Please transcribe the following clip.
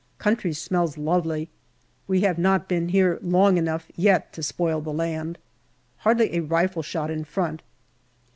Country smells lovely. We have not been here long enough yet to spoil the land. Hardly a rifle shot in front.